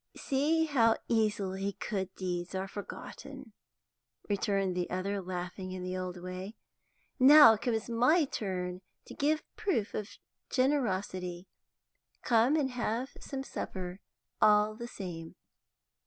"See how easily good deeds are forgotten," returned the other, laughing in the old way. "Now comes my turn to give proof of generosity. Come and have some supper all the same."